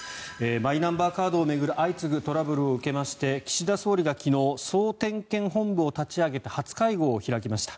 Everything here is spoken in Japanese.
マイナンバーカードを巡る相次ぐトラブルを受けまして岸田総理が昨日総点検本部を立ち上げて初会合を開きました。